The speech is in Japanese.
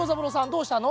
どうしたの？